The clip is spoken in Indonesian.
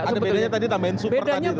ada bedanya tadi tambahin super tadi